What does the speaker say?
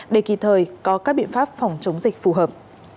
để kịp thời có các biện pháp phòng chống dịch phù hợp